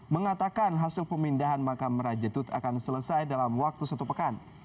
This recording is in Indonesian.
mengatakan hasil pemindahan makam raja tut akan selesai dalam waktu satu pekan